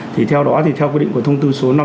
theo đó theo quy định của thông tư số năm mươi năm